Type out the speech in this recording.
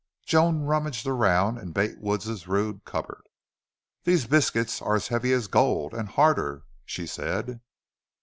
Joan rummaged around in Bate Wood's rude cupboard. "These biscuits are as heavy as gold and harder," she said.